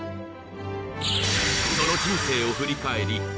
その人生を振り返り